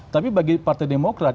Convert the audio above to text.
tapi bagi partai demokrat